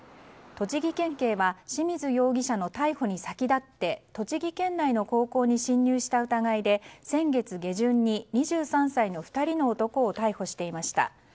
栃木県警は清水容疑者の逮捕に先立って栃木県内の高校に侵入した疑いで先月下旬に２３歳の２人の男を逮捕していました。